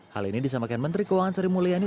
hal ini disamakan menteri keuangan seri mulyani